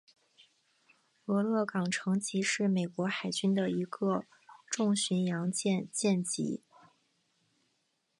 俄勒冈城级是美国海军的一个重巡洋舰舰级。